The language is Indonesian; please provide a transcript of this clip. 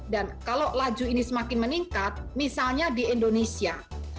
dan kalau laju ini semakin meningkat misalnya di indonesia